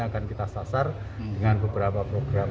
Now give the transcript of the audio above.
akan kita sasar dengan beberapa program